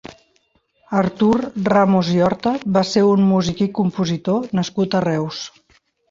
Artur Ramos i Horta va ser un músic i compositor nascut a Reus.